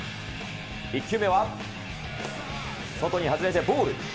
１球目は、外に外れてボール。